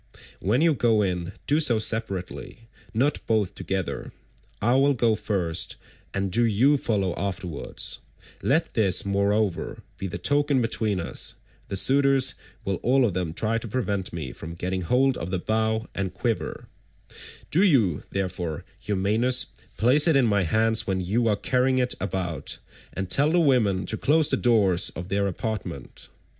When you go in, do so separately, not both together; I will go first, and do you follow afterwards; let this moreover be the token between us; the suitors will all of them try to prevent me from getting hold of the bow and quiver; do you, therefore, Eumaeus, place it in my hands when you are carrying it about, and tell the women to close the doors of their apartment.